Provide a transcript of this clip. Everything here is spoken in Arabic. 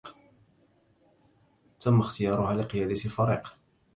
تمّ اختيارها لقيادة الفريق.